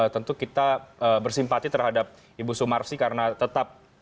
tentu kita bersimpati terhadap ibu sumarsi karena tetap